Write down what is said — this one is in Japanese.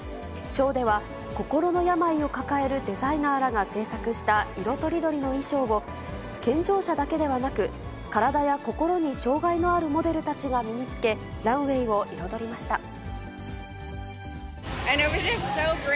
ショーでは、心の病を抱えるデザイナーらが制作した色とりどりの衣装を、健常者だけではなく、体や心に障がいのあるモデルたちが身につけ、ランウェイを彩りました。